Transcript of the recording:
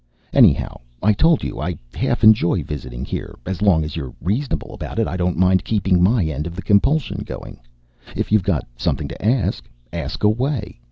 Anyhow, I told you I half enjoy visiting here. As long as you're reasonable about it, I don't mind keeping my end of the compulsion going. If you've got something to ask, ask away.